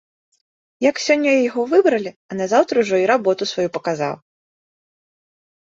Як сёння яго выбралі, а назаўтра ўжо й работу сваю паказаў.